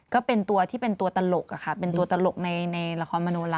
ก็เป็นตัวที่เป็นตัวตลกค่ะเป็นตัวตลกในละครมโนรา